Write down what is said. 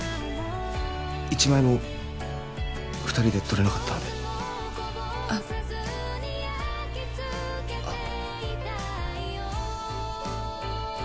一枚も２人で撮れなかったんであっあっ